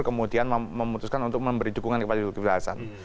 kemudian memutuskan untuk memberi dukungan kepada zulkifli hasan